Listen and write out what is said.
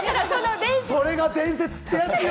それが伝説ってやつよ。